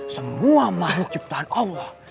semua makhluk ciptaan allah